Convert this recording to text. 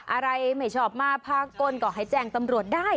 อะไรไม่ชอบมาพากลก็ให้แจ้งตำรวจได้